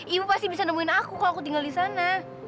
ibu pasti bisa nemuin aku kalau aku tinggal di sana